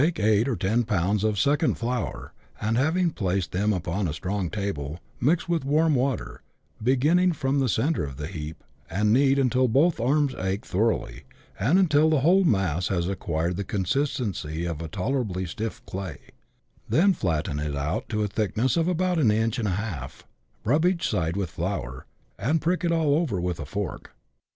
89 eight or ten pounds of second flour, and having placed them upon a strong table, mix with warm water, beginning from the centre of the heap, and knead until both arms ache thoroughly, and until the whole mass has acquired the con sistency of tolerably stiff clay ; then flatten it out to a thickness of about an inch and a half, rub each side with flour, and prick it all over with a fork.